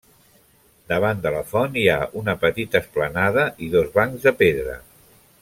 Davant de la font hi ha una petita esplanada i dos bancs de pedra.